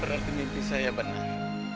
berarti mimpi saya benar